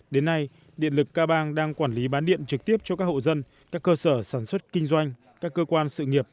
đến nay điện lực ca bang đang quản lý bán điện trực tiếp cho các hộ dân các cơ sở sản xuất kinh doanh các cơ quan sự nghiệp